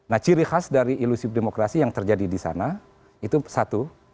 nah ciri khas dari ilusif demokrasi yang terjadi di sana itu satu